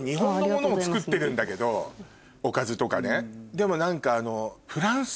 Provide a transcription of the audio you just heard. でも何かあの。